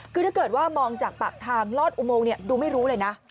คือถ้าเกิดว่ามองจากปากทางลอดอุโมงดูไม่รู้เลยนะ